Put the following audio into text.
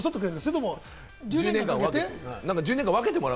それとも１０年間、分けてくれる？